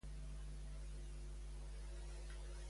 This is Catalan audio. Qui és Yolanthe Sneijder-Cabau?